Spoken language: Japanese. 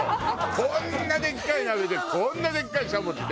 こんなでっかい鍋でこんなでっかいしゃもじで。